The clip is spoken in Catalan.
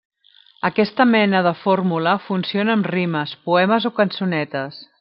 Aquesta mena de fórmula funciona amb rimes, poemes o cançonetes.